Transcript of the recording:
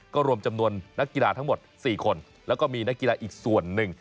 ก็รวมจำนวนนักกีฬาทั้งหมด๔คนแล้วก็มีนักกีฬาอีกส่วนหนึ่ง